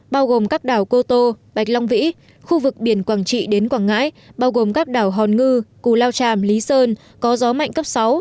bao gồm các đảo cô tô bạch long vĩ khu vực biển quảng trị đến quảng ngãi bao gồm các đảo hòn ngư cù lao tràm lý sơn có gió mạnh cấp sáu